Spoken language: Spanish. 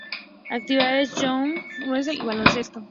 Actividades: jogging-running, baloncesto.